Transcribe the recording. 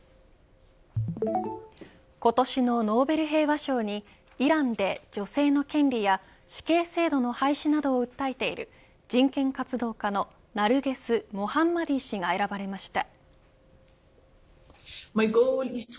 今年のノーベル平和賞にイランで女性の権利や死刑制度の廃止などを訴えている人権活動家のナルゲス・モハンマディ氏が選ばれました。